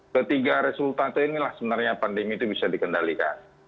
ketiga resultase inilah sebenarnya pandemi itu bisa dikendalikan